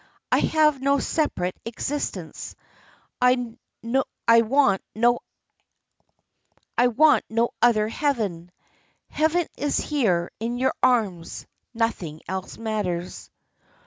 I have no separate existence. I want no other heaven! Heaven is here, in your arms. Nothing else matters."